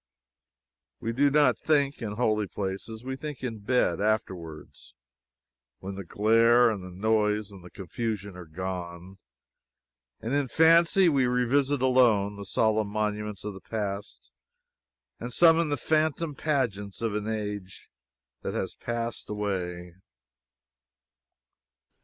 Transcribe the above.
We do not think, in the holy places; we think in bed, afterwards, when the glare, and the noise, and the confusion are gone, and in fancy we revisit alone, the solemn monuments of the past, and summon the phantom pageants of an age that has passed away.